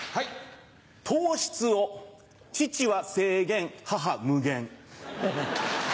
糖質を父は制限母無限。